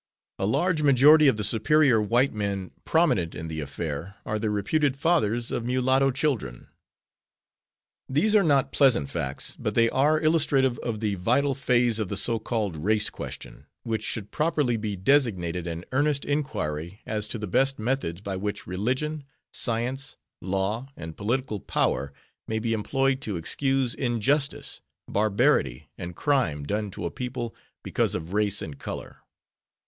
A large majority of the "superior" white men prominent in the affair are the reputed fathers of mulatto children. These are not pleasant facts, but they are illustrative of the vital phase of the so called race question, which should properly be designated an earnest inquiry as to the best methods by which religion, science, law and political power may be employed to excuse injustice, barbarity and crime done to a people because of race and color.